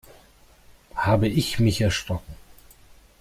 Habe ich mich erschrocken!